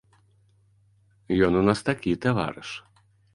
Ён у нас такі таварыш.